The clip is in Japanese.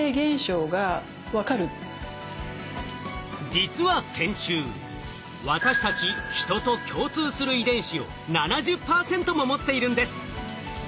実は線虫私たちヒトと共通する遺伝子を７０％も持っているんです。